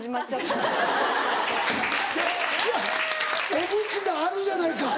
おむつがあるじゃないか！